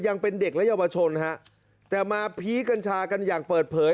ยังเป็นเด็กและเยาวชนฮะแต่มาพีคกัญชากันอย่างเปิดเผย